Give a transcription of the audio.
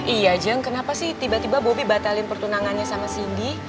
iya jeng kenapa sih tiba tiba bobi batalin pertunangannya sama cindy